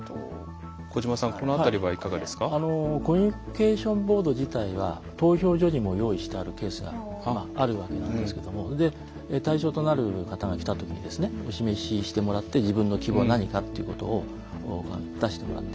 コミュニケーションボード自体は投票所にも用意してあるケースがあるわけなので対象となる方が来た時にお示ししてもらって自分の希望が何かということを出してもらって。